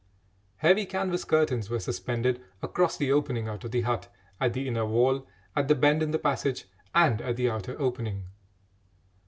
Heavy canvas curtains were suspended across the opening out of the hut at the inner wall, at the bend in the passage, and at the outer opening.